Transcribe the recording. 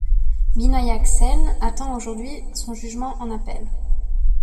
Binayak Sen attend aujourd'hui son jugement en appel.